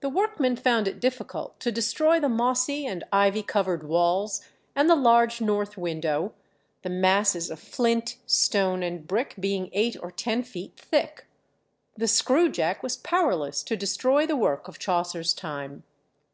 The workmen found it difficult to destroy the mossy and ivy covered walls and the large north window; the masses of flint, stone, and brick being eight or ten feet thick. The screw jack was powerless to destroy the work of Chaucer's time.